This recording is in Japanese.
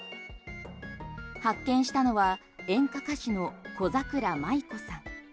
発見したのは演歌歌手の小桜舞子さん。